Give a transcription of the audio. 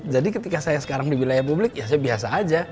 jadi ketika saya sekarang di wilayah publik ya biasa aja